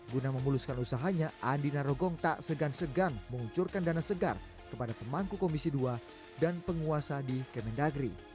guna memuluskan usahanya andi narogong tak segan segan mengucurkan dana segar kepada pemangku komisi dua dan penguasa di kemendagri